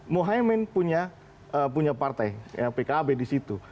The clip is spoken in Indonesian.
mohaimin punya partai pkb di situ